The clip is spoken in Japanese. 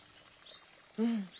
うん。